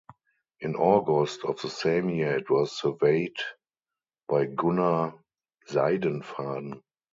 In August of the same year it was surveyed by Gunnar Seidenfaden.